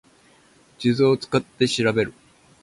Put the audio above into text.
地図を使って調べる